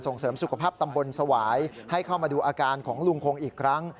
เสริมสุขภาพตำบลสวายให้เข้ามาดูอาการของลุงคงอีกครั้ง